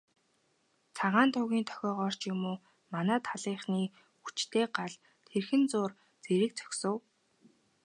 Цагаан тугийн дохиогоор ч юм уу, манай талынхны хүчтэй гал тэрхэн зуур зэрэг зогсов.